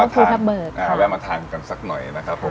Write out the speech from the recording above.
ก็แวะมาทานกันสักหน่อยนะครับ